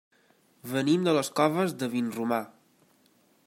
Venim de les Coves de Vinromà.